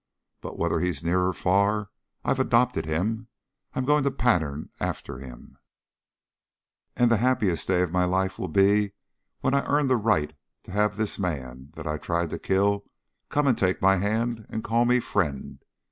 But whether he's near or far, I've adopted him. I'm going to pattern after him, and the happiest day of my life will be when I earn the right to have this man, that I tried to kill, come and take my hand and call me 'friend'!